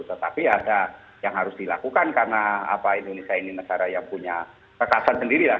tetapi ada yang harus dilakukan karena indonesia ini negara yang punya kekasan sendiri lah